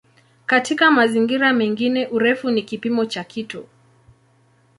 Katika mazingira mengine "urefu" ni kipimo cha kitu.